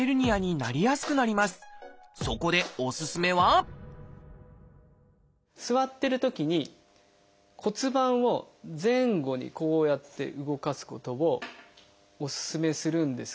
そこでおすすめは座ってるときに骨盤を前後にこうやって動かすことをおすすめするんですけど。